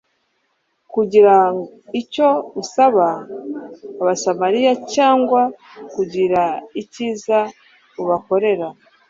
Kugira icyo usaba Abasamaliya cyangwa kugira icyiza ubakorera,